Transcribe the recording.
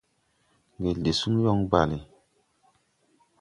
Ŋgel de suŋ yɔŋ bale.